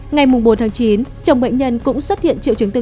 ngày bốn tháng chín chồng bệnh nhân cũng xuất hiện triệu chứng hắt hơi